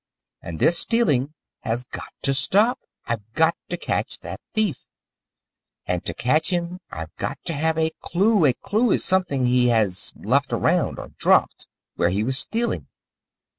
And this stealing has got to stop. I've got to catch that thief. And to catch him I've got to have a clue. A clue is something he has left around, or dropped, where he was stealing.